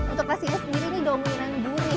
untuk asinnya sendiri ini dominan duri